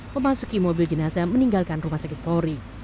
memasuki mobil jenazah meninggalkan rumah sakit polri